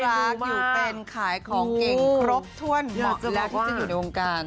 รักอยู่เป็นขายของเก่งครบถ้วนเหมาะแล้วที่จะอยู่ในวงการ